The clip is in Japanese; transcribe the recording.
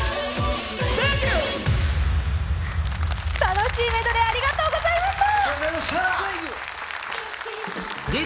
楽しいメドレーありがとうございました。